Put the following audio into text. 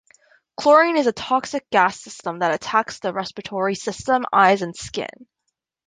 Chlorine is a toxic gas that attacks the respiratory system, eyes, and skin.